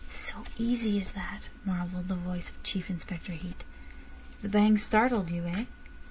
"So easy as that!" marvelled the voice of Chief Inspector Heat. "The bang startled you, eh?"